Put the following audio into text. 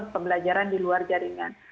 pembelajaran di luar jaringan